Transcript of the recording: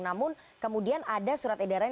namun kemudian ada surat edaran